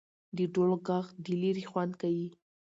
د ډول ږغ د ليري خوند کيي.